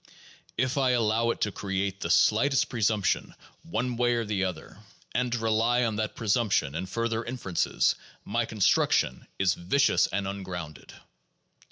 If I allow it to create the slightest presumption one way or the other, and PSYCHOLOGY AND SCIENTIFIC METHODS 11 rely on that presumption in further inferences, my construction is vicious and ungrounded.